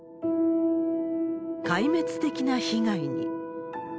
壊滅的な被害に。